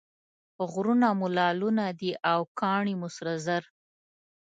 غرونه مو لعلونه دي او کاڼي مو سره زر.